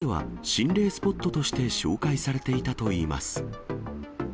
ネット上では、心霊スポットとして紹介されていたといいます。